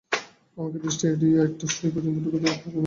আমাদের দৃষ্টি এড়িয়ে একটা সুই পর্যন্ত ঢুকতে পারবে না, স্যার।